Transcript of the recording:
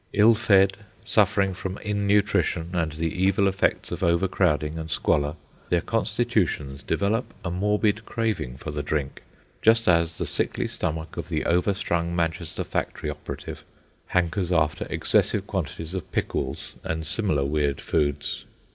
Ill fed, suffering from innutrition and the evil effects of overcrowding and squalor, their constitutions develop a morbid craving for the drink, just as the sickly stomach of the overstrung Manchester factory operative hankers after excessive quantities of pickles and similar weird foods.